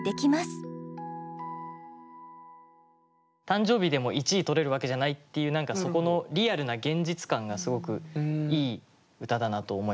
誕生日でも一位とれるわけじゃないっていう何かそこのリアルな現実感がすごくいい歌だなと思いました。